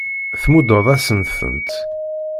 Tmuddeḍ-asen-tent.